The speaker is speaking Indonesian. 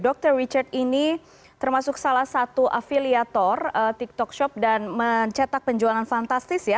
dr richard ini termasuk salah satu afiliator tiktok shop dan mencetak penjualan fantastis ya